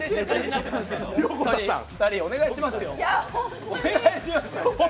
２人、お願いしますよ。